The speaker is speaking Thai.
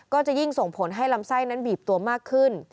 ก็จะยิ่งส่งผลให้ลำไส้นั้นบีบตัวมากขึ้น